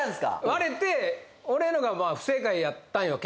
割れて俺のがまあ不正解やったんよ